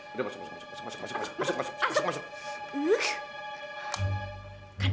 masuk masuk masuk masuk